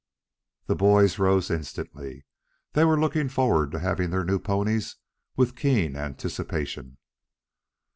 The boys rose instantly. They were looking forward to having their new ponies, with keen anticipation.